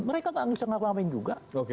mereka tidak bisa melakukan juga